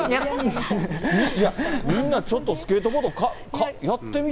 いや、みんなちょっとスケートボード、やってみて。